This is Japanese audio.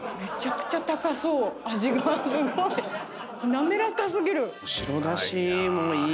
滑らか過ぎる。